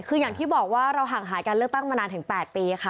คืออย่างที่บอกว่าเราห่างหายการเลือกตั้งมานานถึง๘ปีค่ะ